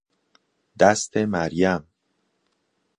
دست مریم